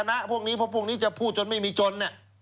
จังชนะพวกนี้เพราะพวกนี้จะพูดจนไม่มีจน